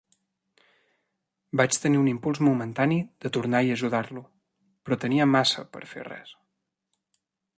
Vaig tenir un impuls momentani de tornar i ajudar-lo, però tenia massa per fer res.